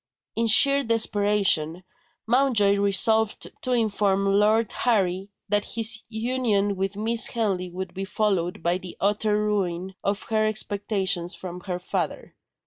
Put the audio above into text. In sheer desperation, Mountjoy resolved to inform Lord Harry that his union with Miss Henley would be followed by the utter ruin of her expectations from her father.